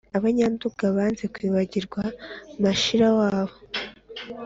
- abanyanduga banze kwibagirwa mashira wabo: